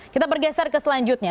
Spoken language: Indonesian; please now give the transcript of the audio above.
kita bergeser ke selanjutnya